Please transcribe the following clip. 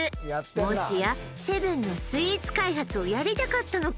もしやセブンのスイーツ開発をやりたかったのか？